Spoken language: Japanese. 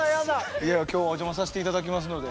いや今日はお邪魔させて頂きますので。